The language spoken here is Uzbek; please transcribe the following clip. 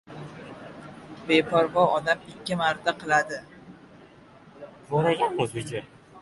• Beparvo odam ikki marta qiladi.